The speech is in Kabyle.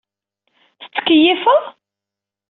Tettkeyifeḍ?